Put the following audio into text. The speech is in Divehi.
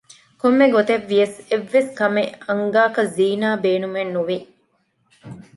ކޮންމެ ގޮތެއް ވިޔަސް އެއްވެސް ކަމެއް އަންގާކަށް ޒީނާ ބޭނުމެއް ނުވި